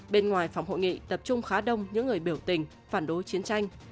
bên ngoài phòng hội nghị tập trung khá đông những người biểu tình phản đối chiến tranh